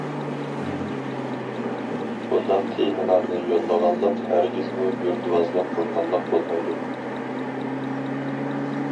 بۇنداق تېمىلارنى يوللىغانلىق ھەرگىزمۇ يۇرتۋازلىق قىلغانلىق بولمايدۇ.